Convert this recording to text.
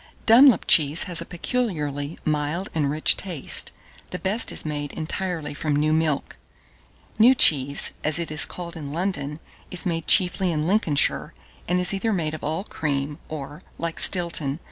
Dunlop cheese has a peculiarly mild and rich taste: the best is made entirely from new milk. New cheese (as it is called in London) is made chiefly in Lincolnshire, and is either made of all cream, or, like Stilton.